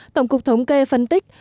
tổng cục thống kê phân tích